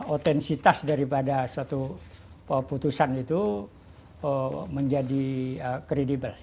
otensitas daripada suatu putusan itu menjadi kredibel